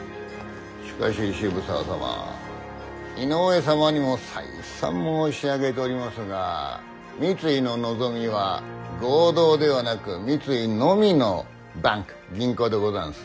しかし渋沢様井上様にも再三申し上げておりますが三井の望みは合同ではなく三井のみのバンク銀行でござんす。